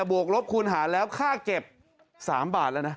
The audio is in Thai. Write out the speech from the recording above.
วกลบคูณหาแล้วค่าเก็บ๓บาทแล้วนะ